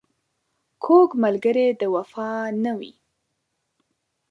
کوږ ملګری د وفا نه وي